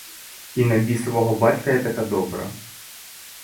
І на бісового батька я така добра!